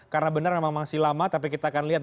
karena benar memang masih lama tapi kita akan lihat